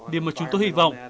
điểm mà chúng tôi hy vọng